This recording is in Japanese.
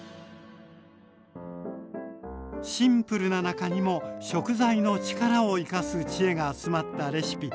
シンプルな中にも食材の力を生かす知恵が集まったレシピ。